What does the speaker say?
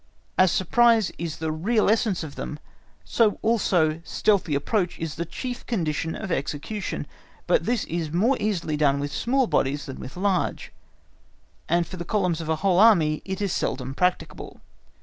As surprise is the real essence of them so also stealthy approach is the chief condition of execution: but this is more easily done with small bodies than with large, and for the columns of a whole Army is seldom practicable.